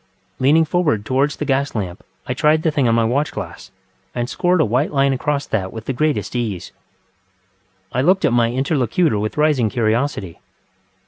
Leaning forward towards the gas lamp, I tried the thing on my watch glass, and scored a white line across that with the greatest ease. I looked at my interlocutor with rising curiosity.